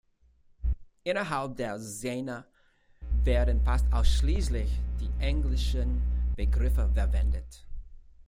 Innerhalb der Szene werden fast ausschließlich die englischen Begriffe verwendet.